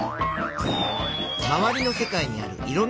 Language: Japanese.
まわりの世界にあるいろんなふしぎ。